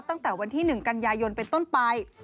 ตั้งแต่วันที่๑กันยายนเป็นต้นไป